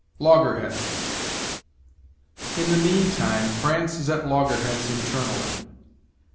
LOGGERHEADS. "In the mean time France is at loggerheads internally."